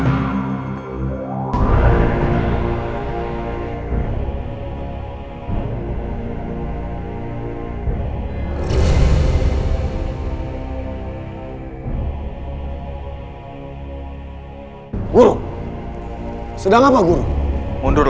menggugur sedang apa gaul lend formal